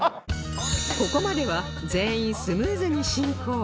ここまでは全員スムーズに進行